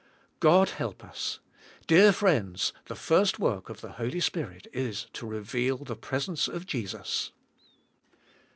God help us. Dear friends, the first work of the Holy Spirit is to reveal the presence of Jesus.